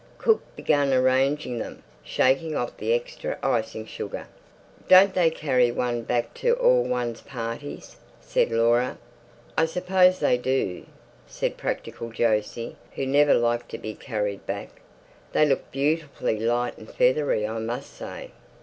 Cook began arranging them, shaking off the extra icing sugar. "Don't they carry one back to all one's parties?" said Laura. "I suppose they do," said practical Jose, who never liked to be carried back. "They look beautifully light and feathery, I must say."